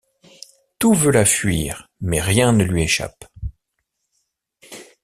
Tout veut la fuir, mais rien ne lui échappe.